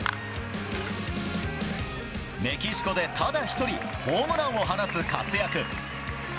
メキシコでただ一人、ホームランを放つ活躍。